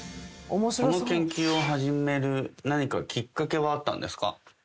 この研究を始める、何かきっかけはあったんですか。